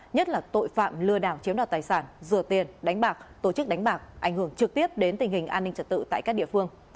nhất là tội phạm lừa đảo chiếm đoạt tài sản rửa tiền đánh bạc tổ chức đánh bạc ảnh hưởng trực tiếp đến tình hình an ninh trật tự tại các địa phương